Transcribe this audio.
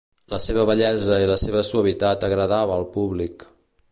La seva bellesa i la seva suavitat agradava al públic.